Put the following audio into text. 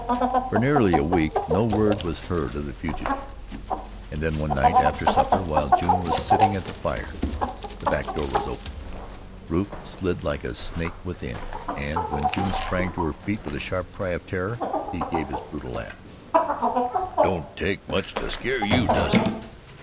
For nearly a week no word was heard of the fugitive, and then one night, after supper, while June was sitting at the fire, the back door was opened, Rufe slid like a snake within, and when June sprang to her feet with a sharp cry of terror, he gave his brutal laugh: "Don't take much to skeer you does it?"